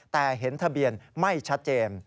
แต่เห็นทะเบียนไม่ชัดเจน